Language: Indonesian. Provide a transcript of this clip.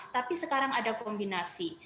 tapi sekarang ada kombinasi